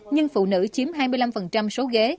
nhưng phụ nữ chiếm hai mươi năm số ghế